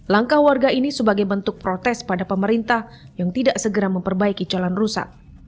langkah warga ini sebagai bentuk protes pada pemerintah yang tidak segera memperbaiki jalan rusak